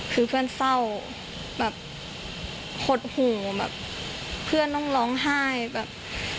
คือเพื่อนเศร้าแบบหดหูแบบเพื่อนต้องร้องไห้แบบ